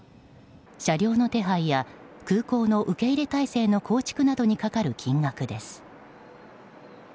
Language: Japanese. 車両の手配や空港の受け入れ態勢の構築などにかかる金額です。